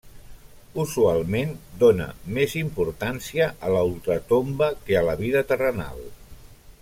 Usualment dóna més importància a la ultratomba que a la vida terrenal.